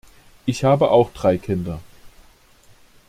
Ich habe auch drei Kinder.